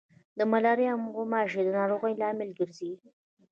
د ملاریا غوماشي د ناروغیو لامل ګرځي.